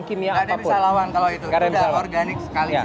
kimia apapun kalau itu organik sekali ya